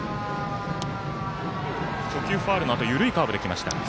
初球、ファウルのあと緩いカーブできました。